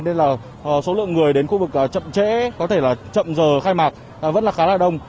nên là số lượng người đến khu vực chậm trễ có thể là chậm giờ khai mạc vẫn là khá là đông